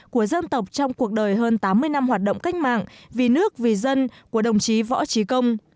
của dân tộc trong cuộc đời hơn tám mươi năm hoạt động cách mạng vì nước vì dân của đồng chí võ trí công